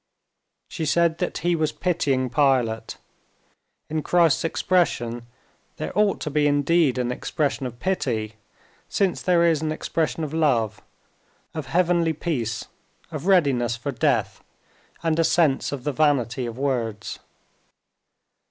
She said that He was pitying Pilate. In Christ's expression there ought to be indeed an expression of pity, since there is an expression of love, of heavenly peace, of readiness for death, and a sense of the vanity of words.